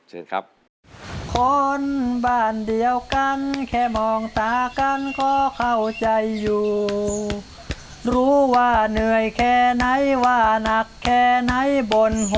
เชิญครับ